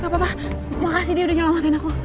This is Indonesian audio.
gak apa apa makasih dia udah nyelamatkan aku